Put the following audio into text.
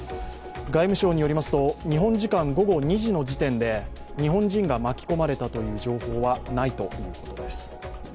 外務省によりますと日本時間午後２時の時点で日本人が巻き込まれたという情報は、ないということです。